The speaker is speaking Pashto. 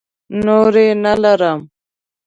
نورې نه لرم.